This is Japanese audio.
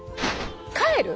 帰る？